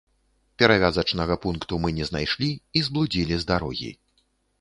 Перавязачнага пункту мы не знайшлі і зблудзілі з дарогі.